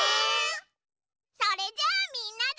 それじゃあみんなで。